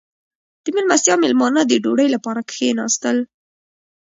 • د میلمستیا مېلمانه د ډوډۍ لپاره کښېناستل.